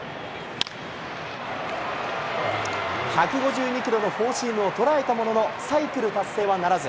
１５２キロのフォーシームを捉えたものの、サイクル達成はならず。